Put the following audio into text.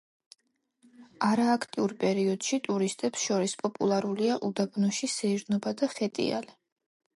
არააქტიურ პერიოდში, ტურისტებს შორის პოპულარულია უდაბნოში სეირნობა და ხეტიალი.